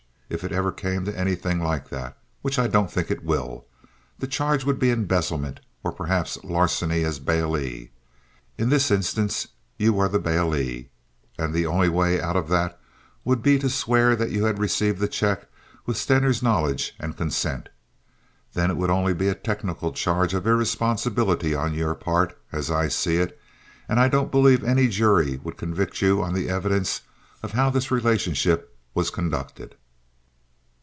If it ever came to anything like that, which I don't think it will, the charge would be embezzlement or perhaps larceny as bailee. In this instance, you were the bailee. And the only way out of that would be to swear that you had received the check with Stener's knowledge and consent. Then it would only be a technical charge of irresponsibility on your part, as I see it, and I don't believe any jury would convict you on the evidence of how this relationship was conducted.